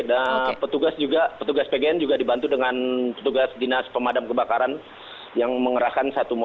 dan petugas bnn juga dibantu dengan petugas dinas pemadam kebakaran yang mengerahkan satu motor